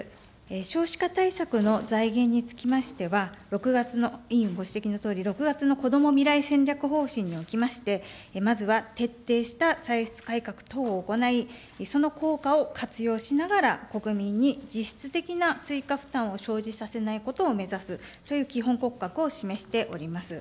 少子化対策の財源につきましては、６月の委員ご指摘のとおり、６月のこども未来戦略方針におきまして、まずは徹底した歳出改革等を行い、その効果を活用しながら、国民に実質的な追加負担を生じさせないことを目指すという基本骨格を示しております。